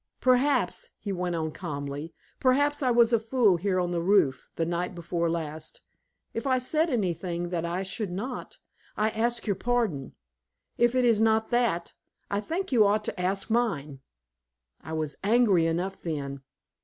"Perhaps," he went on calmly "perhaps I was a fool here on the roof the night before last. If I said anything that I should not, I ask your pardon. If it is not that, I think you ought to ask mine!" I was angry enough then.